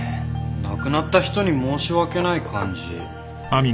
亡くなった人に申し訳ない感じ。